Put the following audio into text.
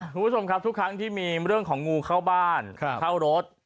คุณผู้ชมครับทุกครั้งที่มีเรื่องของงูเข้าบ้านเข้ารถ